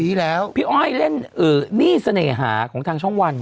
พี่อ้อยเล่นนี่เสน่หาของทางช่องวัน